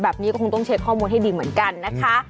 แบบนี้ก็คงต้องเช็คข้อมูลให้ดีเหมือนกันนะคะ